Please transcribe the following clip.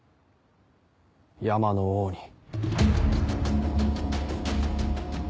山の王に。